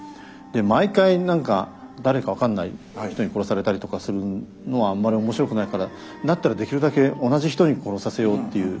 毎回何か誰か分かんない人に殺されたりとかするのはあんまり面白くないからだったらできるだけ同じ人に殺させようっていう。